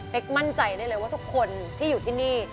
มั่นใจได้เลยว่าทุกคนที่อยู่ที่นี่